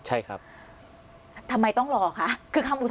อันดับที่สุดท้าย